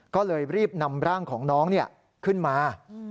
ก็เลยรีบนำร่างของน้องขึ้นมา